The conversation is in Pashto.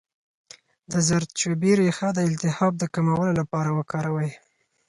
د زردچوبې ریښه د التهاب د کمولو لپاره وکاروئ